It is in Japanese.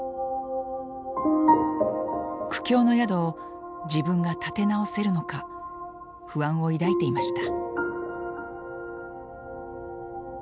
苦境の宿を自分が立て直せるのか不安を抱いていました。